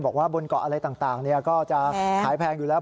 บอกว่าบนเกาะอะไรต่างก็จะขายแพงอยู่แล้ว